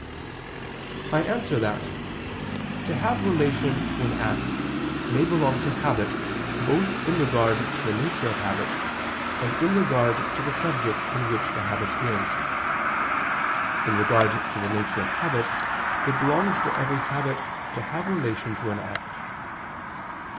I answer that, To have relation to an act may belong to habit, both in regard to the nature of habit, and in regard to the subject in which the habit is. In regard to the nature of habit, it belongs to every habit to have relation to an act.